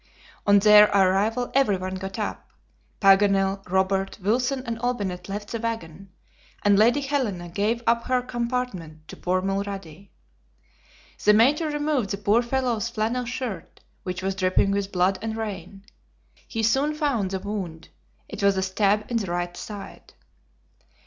On their arrival everyone got up. Paganel, Robert, Wilson and Olbinett left the wagon, and Lady Helena gave up her compartment to poor Mulrady. The Major removed the poor fellow's flannel shirt, which was dripping with blood and rain. He soon found the wound; it was a stab in the right side.